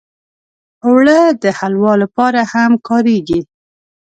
اوړه د حلوا لپاره هم کارېږي